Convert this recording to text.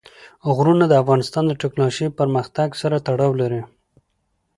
غرونه د افغانستان د تکنالوژۍ پرمختګ سره تړاو لري.